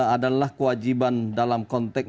adalah kewajiban dalam konteks